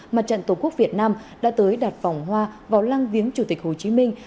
mặt trận tổ quốc việt nam đã tới đặt vòng hoa vào lăng viếng chủ tịch hồ chí minh